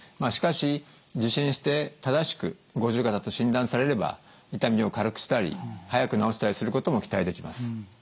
しかし受診して正しく五十肩と診断されれば痛みを軽くしたり早く治したりすることも期待できます。